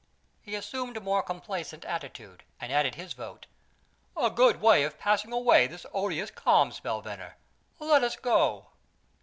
He assumed a more complaisant attitude, and added his vote: "A good way of passing away this odious calm spell, Venner. Let us go."